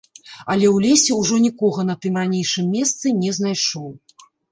Але ў лесе ўжо нікога на тым ранейшым месцы не знайшоў.